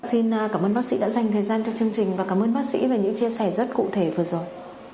xin cảm ơn bác sĩ đã dành thời gian cho chương trình và cảm ơn bác sĩ về những chia sẻ rất cụ thể vừa rồi